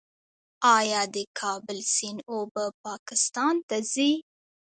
آیا د کابل سیند اوبه پاکستان ته ځي؟